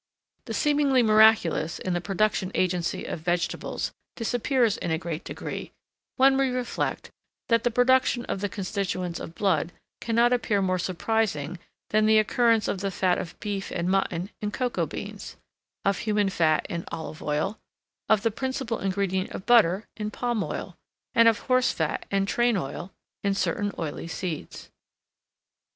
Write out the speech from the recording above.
The seemingly miraculous in the productive agency of vegetables disappears in a great degree, when we reflect that the production of the constituents of blood cannot appear more surprising than the occurrence of the fat of beef and mutton in cocoa beans, of human fat in olive oil, of the principal ingredient of butter in palm oil, and of horse fat and train oil in certain oily seeds.